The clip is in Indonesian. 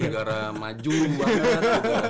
gara gara maju banget